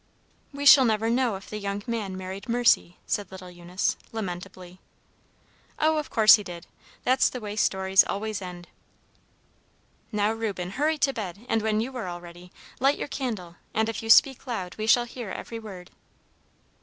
"We shall never know if the young man married Mercy," said little Eunice, lamentably. "Oh, of course he did! That's the way stories always end." "Now, Reuben, hurry to bed, and when you are all ready, light your candle, and if you speak loud we shall hear every word."